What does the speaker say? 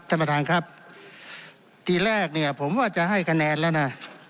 ท่านประธานครับทีแรกเนี่ยผมว่าจะให้คะแนนแล้วนะ